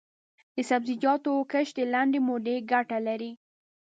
د سبزیجاتو کښت د لنډې مودې ګټه لري.